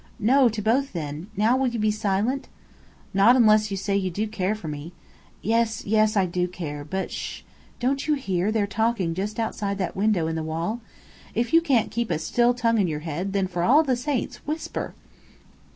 "No, to both, then! Now will you be silent?" "Not unless you say you do care for me." "Yes yes, I do care. But, Sh! Don't you hear, they're talking just outside that window in the wall? If you can't keep a still tongue in your head, then for all the saints whisper!"